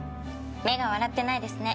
目が笑ってないですね。